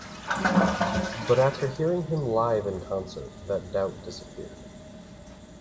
But after hearing him live in concert that doubt disappeared.